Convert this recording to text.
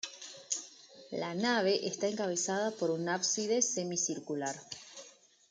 La nave está encabezada por un ábside semicircular.